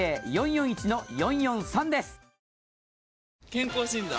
健康診断？